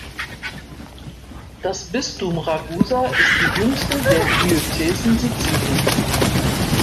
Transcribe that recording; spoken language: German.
Das Bistum Ragusa ist die jüngste der Diözesen Siziliens.